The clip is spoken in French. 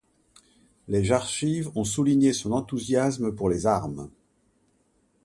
Les archives ont souligné son enthousiasme pour les armes.